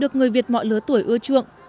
được người việt mọi lứa tuổi ưa chuộng